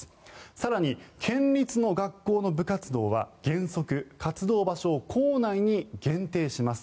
更に、県立の学校の部活動は原則、活動場所を校内に限定します。